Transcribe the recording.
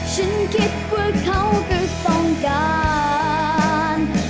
ฉันคิดว่าเขาก็ต้องการ